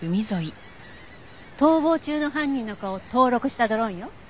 逃亡中の犯人の顔を登録したドローンよ。